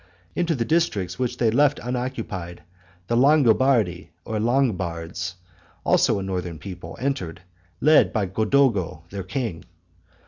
Into the districts which they left unoccupied, the Longobardi or Lombards, also a northern people, entered, led by Godogo their king.